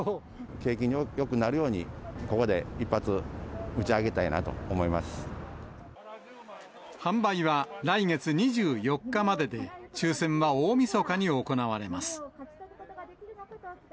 景気よくなるように、ここで販売は来月２４日までで、抽せんは大みそかに行われます。